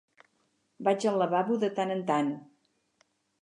Vagi al lavabo de tant en tant.